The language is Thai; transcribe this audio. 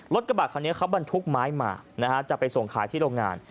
รถกระบะคันนี้เค้าบรรทุกไม้มาจะไปส่งขายที่โรงงาน